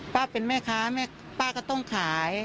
ป้าเป็นแม่ค้าป้าก็ต้องขาย